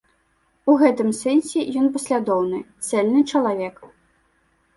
У гэтым сэнсе ён паслядоўны, цэльны чалавек.